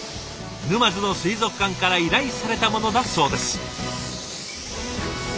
沼津の水族館から依頼されたものだそうです。